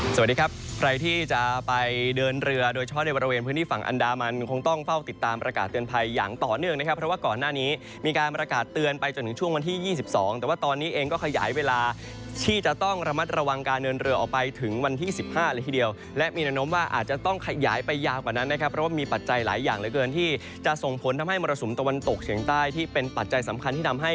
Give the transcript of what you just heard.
สวัสดีครับใครที่จะไปเดินเรือโดยเฉาะในบริเวณพื้นที่ฝั่งอันดามันคงต้องเฝ้าติดตามประกาศเตือนภัยอย่างต่อเนื่องนะครับเพราะว่าก่อนหน้านี้มีการประกาศเตือนไปจนถึงช่วงวันที่๒๒แต่ว่าตอนนี้เองก็ขยายเวลาที่จะต้องระมัดระวังการเดินเรือออกไปถึงวันที่๑๕ละทีเดียวและมีอนุมว่าอาจจะต้องขยายไป